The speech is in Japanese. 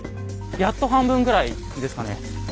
やっと半分ぐらいですかね。